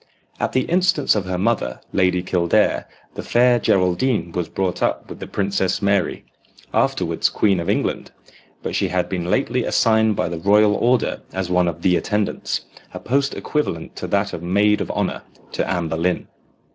At the instance of her mother, Lady Kildare, the Fair Geraldine was brought up with the Princess Mary, afterwards Queen of England; but she had been lately assigned by the royal order as one of the attendants a post equivalent to that of maid of honour to Anne Boleyn.